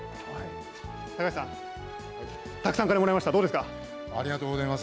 高橋さん、たくさん鐘、もらいまありがとうございます。